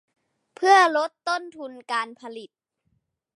เพื่อลดต้นทุนการผลิต